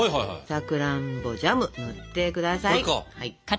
さくらんぼジャム塗ってください。